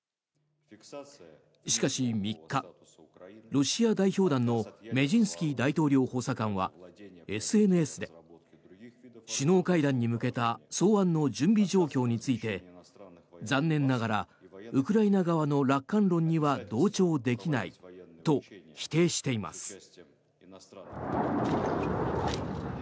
しかし３日、ロシア代表団のメジンスキー大統領補佐官はＳＮＳで、首脳会談に向けた草案の準備状況について残念ながらウクライナ側の楽観論には同調できないと否定しています。